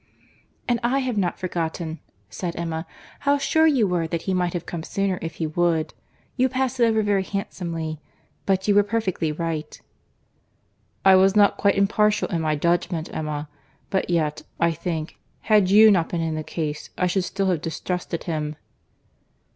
"And I have not forgotten," said Emma, "how sure you were that he might have come sooner if he would. You pass it over very handsomely—but you were perfectly right." "I was not quite impartial in my judgment, Emma:—but yet, I think—had you not been in the case—I should still have distrusted him."